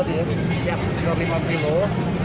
antrian juga sudah hampir sekitar lima km